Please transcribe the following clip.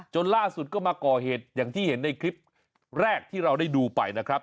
ล่าสุดก็มาก่อเหตุอย่างที่เห็นในคลิปแรกที่เราได้ดูไปนะครับ